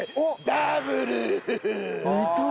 ダブル！